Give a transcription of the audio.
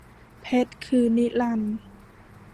เพชรคือนิรันดร์